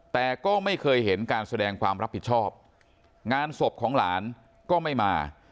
แต่ก็ไม่เคยเห็นการแสดงความรับผิดชอบงานศพของหลานก็ไม่มา